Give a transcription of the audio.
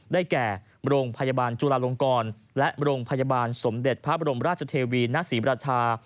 ได้แก่โรงพยาบาลจุลาลงกรและโรงพยาบาลสมเด็จพระบรมราชเทวีณศรีบราชา